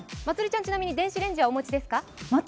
まつりちゃん、ちなみに電子レンジはお持ちですか？